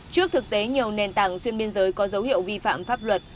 trước thực tế nhiều nền tảng xuyên biên giới có dấu hiệu vi phạm pháp luật